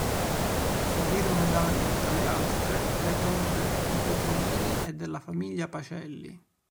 Subirono danni, tra le altre, le tombe di Petrolini e della famiglia Pacelli.